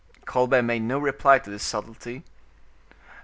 Colbert made no reply to this subtlety.